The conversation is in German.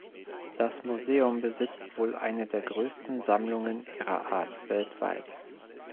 Das Museum besitzt wohl eine der größten Sammlungen ihrer Art weltweit.